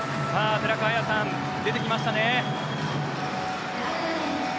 寺川綾さん出てきましたね。